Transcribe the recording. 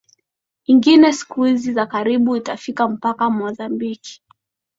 ingine siku hizi za karibu itafika mpaka mozambiki